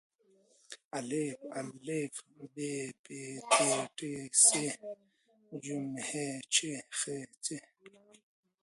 آا ب پ ت ټ ث ج ح چ خ څ